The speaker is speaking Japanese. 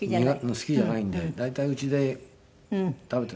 好きじゃないんで大体家で食べている。